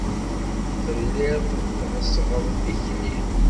Telliḍ tɣeṣṣbeḍ tikli.